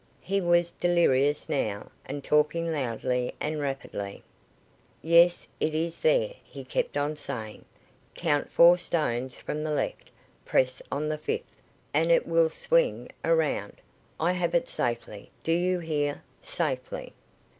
He was delirious now, and talking loudly and rapidly. "Yes, it is there," he kept on saying. "Count four stones from the left, press on the fifth, and it will swing around. I have it safely do you hear? safely."